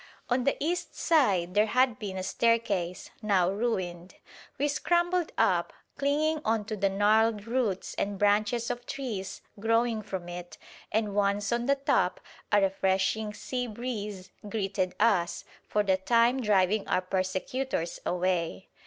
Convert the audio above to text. On the east side there had been a staircase, now ruined. We scrambled up, clinging on to the gnarled roots and branches of trees growing from it, and once on the top a refreshing sea breeze greeted us, for the time driving our persecutors away.